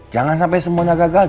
jangan sampe semuanya gagal